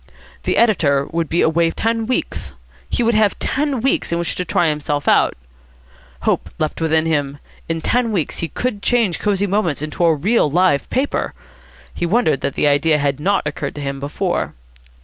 The editor would be away ten weeks. He would have ten weeks in which to try himself out. Hope leaped within him. In ten weeks he could change Cosy Moments into a real live paper. He wondered that the idea had not occurred to him before.